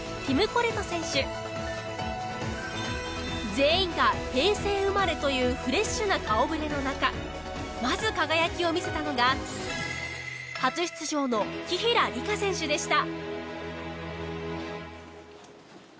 全員が平成生まれというフレッシュな顔触れの中まず輝きを見せたのが初出場の紀平梨花選手でした。